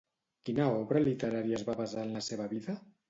Quina obra literària es va basar en la seva vida?